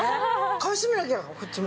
買い占めなきゃこっちも。